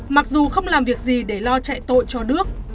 mặc dù không làm việc gì để lo chạy tội cho đước